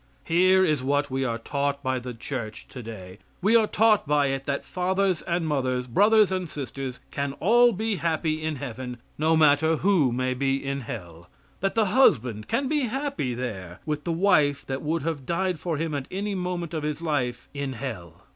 Here is what we are taught by the church today. We are taught by it that fathers and mothers, brothers and sisters can all be happy in heaven, no matter who may be in hell; that the husband can be happy there with the wife that would have died for him at any moment of his life, in hell.